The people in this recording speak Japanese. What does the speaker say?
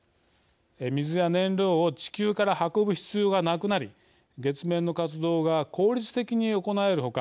水や燃料を地球から運ぶ必要がなくなり月面の活動が効率的に行える他